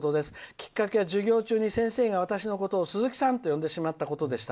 きっかけは授業中に先生が私のことをすずきさんと呼んでしまったことでした。